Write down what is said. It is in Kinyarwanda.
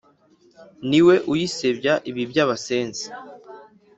Ni we uyisebya ibi by'abasenzi